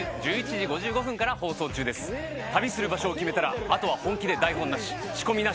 旅する場所を決めたらあとは本気で台本なし仕込みなしです。